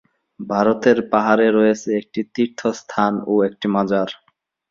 ভারতের পাহাড়ে রয়েছে একটি তীর্থস্থান ও একটি মাজার।